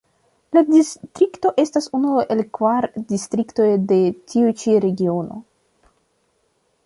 La distrikto estas unu el kvar distriktoj de tiu ĉi Regiono.